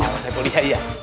pak haipul liat ya